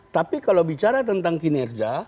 tapi kalau bicara tentang kinerja